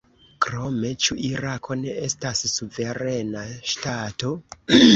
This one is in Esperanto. Krome: ĉu Irako ne estas suverena ŝtato?